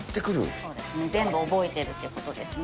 そうですね、全部覚えてるということですね。